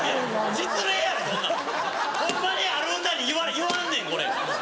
ホンマにある歌に言わんねんこれ。